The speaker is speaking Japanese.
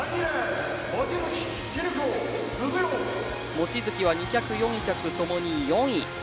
望月は２００、４００ともに４位。